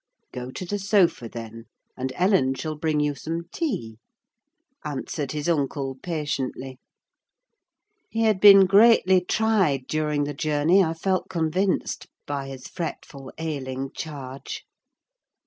"Go to the sofa, then, and Ellen shall bring you some tea," answered his uncle patiently. He had been greatly tried, during the journey, I felt convinced, by his fretful ailing charge.